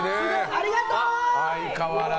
ありがとう！